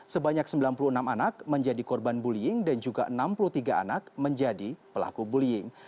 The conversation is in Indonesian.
sebanyak sembilan puluh enam anak menjadi korban bullying dan juga enam puluh tiga anak menjadi pelaku bullying